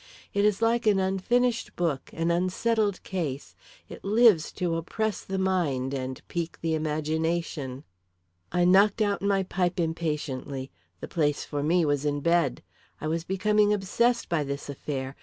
It is like an unfinished book, an unsettled case it lives to oppress the mind and pique the imagination. I knocked out my pipe impatiently. The place for me was in bed. I was becoming obsessed by this affair.